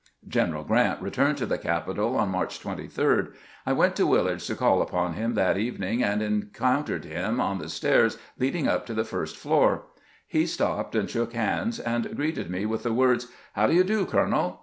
Q eneral Grrant returned to the capital on March 23. I went to WUlard's to call upon him that evening, and encountered him on the stairs leading up to the first floor. He stopped, shook hands, and greeted me with the words, " How do you do, colonel